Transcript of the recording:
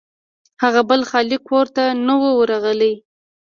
هغه بل خالي کور ته نه و ورغلی.